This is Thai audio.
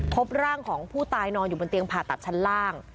พบร่างของผู้ตายนอนอยู่บนเตียงผ่าตัดชั้นล่าง